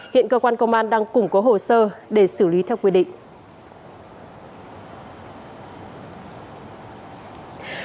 hiện cơ quan công an đang củng cố hồ sơ để xử lý theo quy định